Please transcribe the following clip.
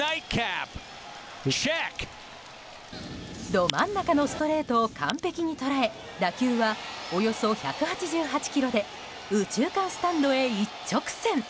ど真ん中のストレートを完璧に捉え打球はおよそ１８８キロで右中間スタンドへ一直線。